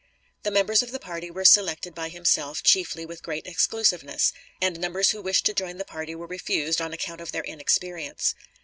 The members of the party were selected by himself chiefly with great exclusiveness, and numbers who wished to join the party were refused, on account of their inexperience.